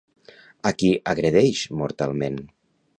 A qui agredeix mortalment?